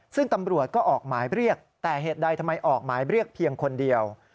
ซึ่งตำรวจก็ออกหมายเรียกแต่เหตุใดทำไมออกหมายเรียกเพียงคนเดียว